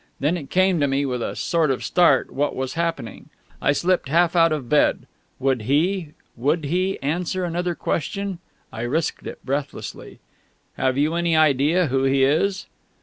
Then it came to me, with a sort of start, what was happening. I slipped half out of bed. Would he would he? answer another question?... I risked it, breathlessly: "Have you any idea who he is?"